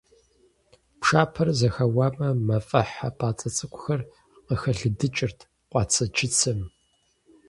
Пшапэр зэхэуамэ, мафӀэхь хьэпӀацӀэ цӀыкӀухэр къыхэлыдыкӀырт къуацэ-чыцэм.